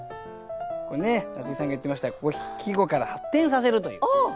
これね夏井さんが言ってました季語から発展させるという。